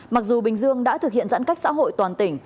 mặc dù bình dương đã thực hiện giãn cách xã hội toàn tỉnh